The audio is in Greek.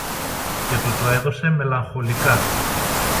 και του το έδωσε μελαγχολικά.